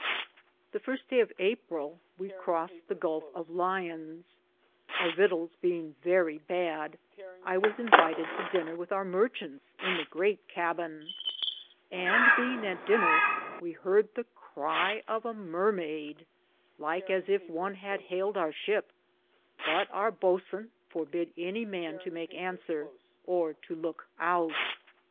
The firste daye of Aprill we Croste the Gulfe of Lions. Our vitals beinge verrie badd, I was invited to diner with our marchantes in the great Cabbin, and beinge at diner, we harde the crye of a mearmaide, like as yf one had hailed our shipe ; but our bootswane forbid any man to make answeare or to louke oute.